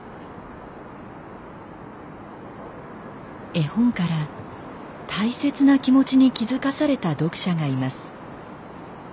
絵本から大切な気持ちに気付かされた読者がいます。